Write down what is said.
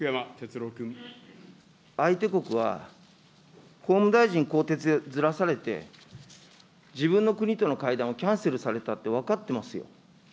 相手国は、法務大臣更迭でずらされて、自分の国との会談をキャンセルされたって分かってますよ。